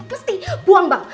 mesti buang bang